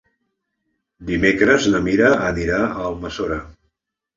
Dimecres na Mira irà a Almassora.